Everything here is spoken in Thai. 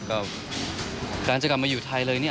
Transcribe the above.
การจะกลับมาอยู่ไทยเลย